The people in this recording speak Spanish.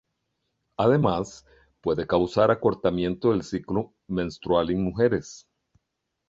Además, puede causar acortamiento del ciclo menstrual en mujeres.